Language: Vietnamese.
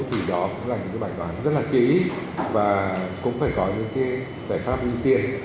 thì đó cũng là những bài toán rất là kỹ và cũng phải có những giải pháp y tiên